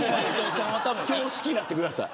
今日好きになってください。